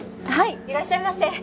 はいいらっしゃいませ。